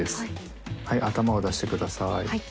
はい頭を出してくださいはい。